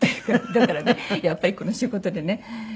だからねやっぱりこの仕事でね